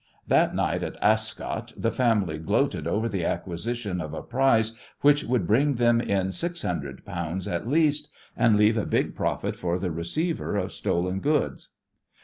That night at Ascot the family gloated over the acquisition of a prize which would bring them in six hundred pounds at least, and leave a big profit for the receiver of stolen goods.